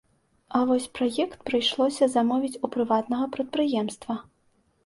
А вось праект прыйшлося замовіць у прыватнага прадпрыемства.